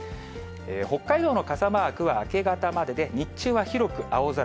北海道の傘マークは明け方までで、日中は広く青空。